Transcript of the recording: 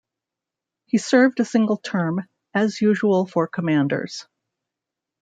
He served a single term, as usual for Commanders.